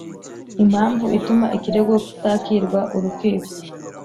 Impamvu ituma ikirego kitakirwa urukiko